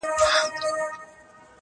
له ناکامه یې ځان سیند ته ور ایله کړ.!